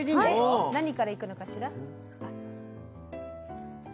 何から行くのかしら？